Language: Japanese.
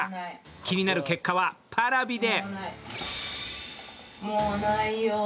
気になる結果はＰａｒａｖｉで。